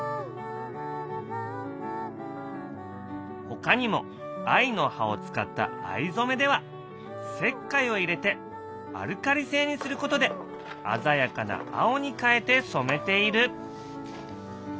ほかにも藍の葉を使った藍染めでは石灰を入れてアルカリ性にすることで鮮やかな青に変えてそめている。